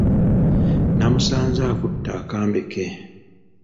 Namusanze akutte akambe ke.